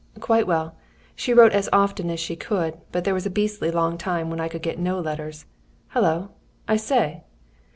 "Quite well. She wrote as often as she could, but there was a beastly long time when I could get no letters. Hullo! I say!"